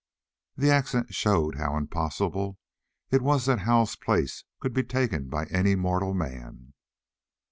The accent showed how impossible it was that Hal's place could be taken by any mortal man.